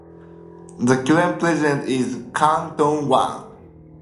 The current president is Kang Dong-Wan.